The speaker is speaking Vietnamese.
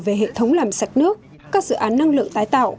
về hệ thống làm sạch nước các dự án năng lượng tái tạo